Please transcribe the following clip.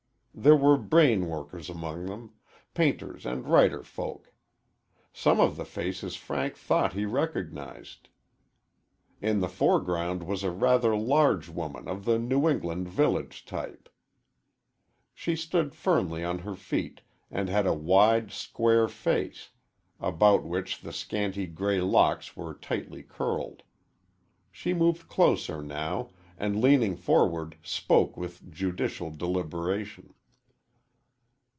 There were brain workers among them painters and writer folk. Some of the faces Frank thought he recognized. In the foreground was a rather large woman of the New England village type. She stood firmly on her feet, and had a wide, square face, about which the scanty gray locks were tightly curled. She moved closer now, and leaning forward, spoke with judicial deliberation.